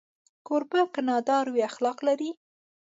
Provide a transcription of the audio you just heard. کوربه که نادار وي، اخلاق لري.